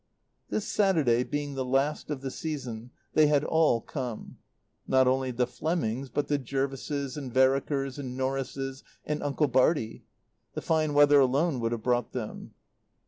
This Saturday being the last of the season, they had all come; not only the Flemings, but the Jervises and Verekers and Norrises, and Uncle Bartie. The fine weather alone would have brought them.